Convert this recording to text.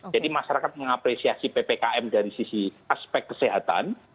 masyarakat mengapresiasi ppkm dari sisi aspek kesehatan